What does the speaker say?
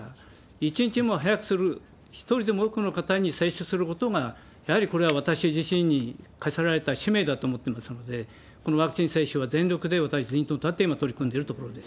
一日も早くする、一人でも多くの方に接種することが、やはりこれは私自身に課せられた使命だと思ってますので、このワクチン接種は全力で私たち、今、取り組んでるところです。